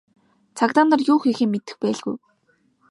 Цагдаа нар юу хийхээ мэдэх байлгүй.